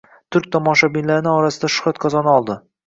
turk tomoshabinlarini orasida shuxrat qozona oldi.